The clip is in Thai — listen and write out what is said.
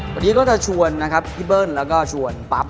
วันนี้ก็จะชวนที่เบิ้ลแล้วก็ชวนปั๊บ